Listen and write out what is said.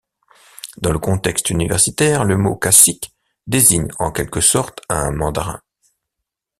Dans le contexte universitaire, le mot cacique désigne en quelque sorte un mandarin.